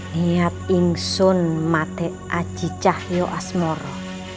niat ingsun mati aci cah yo asmoro